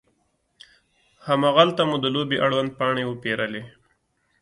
هماغلته مو د لوبې اړوند پاڼې وپیرلې.